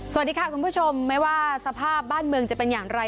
สวัสดีค่ะคุณผู้ชมไม่ว่าสภาพบ้านเมืองจะเป็นอย่างไร